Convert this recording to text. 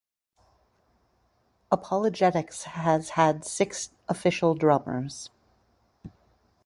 ApologetiX has had six official drummers.